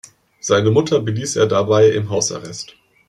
Seine Mutter beließ er dabei im Hausarrest.